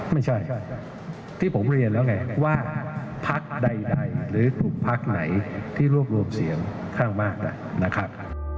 ไม่ใช่ที่ผมเรียนแล้วไงว่าพักใดหรือถูกพักไหนที่รวบรวมเสียงข้างมากได้นะครับ